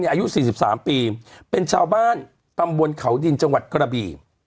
อายุ๔๓ปีเป็นชาวบ้านตำบลเขาดินจังหวัดกระบี่